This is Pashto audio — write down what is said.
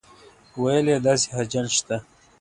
ویل یې داسې حاجیان شته.